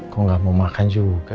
kok nggak mau makan juga